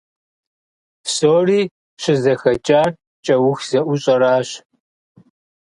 Псори щызэхэкӀар кӀэух зэӀущӀэращ.